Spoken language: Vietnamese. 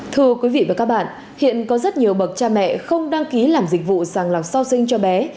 thưa quý vị và các bạn hiện có rất nhiều bậc cha mẹ không đăng ký làm dịch vụ sàng lọc sau sinh cho bé